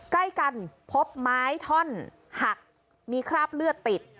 ใกล้กันพบไม้ท่อนหักมีคราบเลือดติด